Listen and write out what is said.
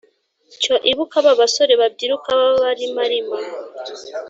cyo ibuka ba basore babyiruka babarimarima